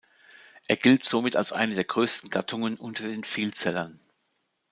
Er gilt somit als eine der größten Gattungen unter den Vielzellern.